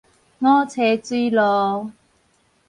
五叉水路